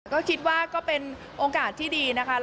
ก็คิดว่าก็เป็นโอกาสที่ดีนะคะ